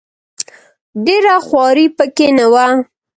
ډېره خواري په کې نه وه.